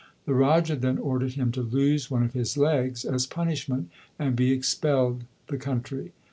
The Raja then ordered him to lose one of his legs as punishment, and be expelled the country.